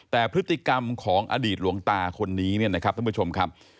แต่พฤติกรรมของอดีตหลวงตาคนนี้เนี่ยนะครับท่านผู้ชมครับ